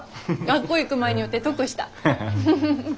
学校行く前に寄って得した。